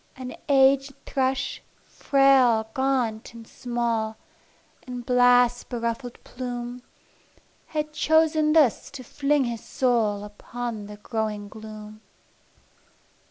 An aged thrush, frail, gaunt and small, With blast beruffled plume, Had chosen thus to fling his soul Upon the growing gloom.